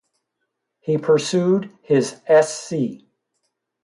He pursued his Sc.